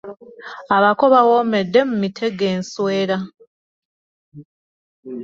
Abako bawomedde mu mitege nswera.